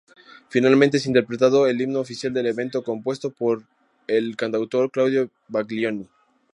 Finalmente, es interpretado el himno oficial del evento, compuesto por el cantautor Claudio Baglioni.